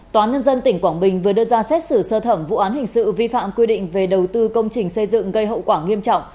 tòa nhân dân tỉnh quảng bình vừa đưa ra xét xử sơ thẩm vụ án hình sự vi phạm quy định về đầu tư công trình xây dựng gây hậu quả nghiêm trọng